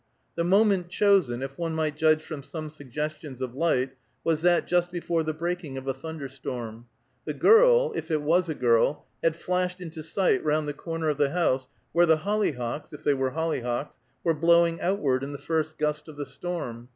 The moment chosen, if one might judge from some suggestions of light, was that just before the breaking of a thunderstorm; the girl, if it was a girl, had flashed into sight round the corner of the house where the hollyhocks, if they were hollyhocks, were blowing outward in the first gust of the storm.